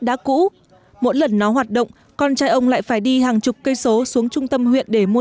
đã cũ mỗi lần nó hoạt động con trai ông lại phải đi hàng chục cây số xuống trung tâm huyện để mua